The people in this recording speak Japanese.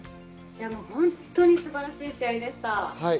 本当に素晴らしい試合でした。